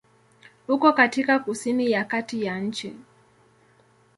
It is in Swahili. Uko katika kusini ya kati ya nchi.